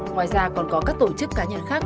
ngoài ra còn có các tổ chức cá nhân khác